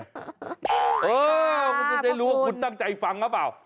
เออมันจะได้รู้ว่าคุณตั้งใจฟังหรือเปล่า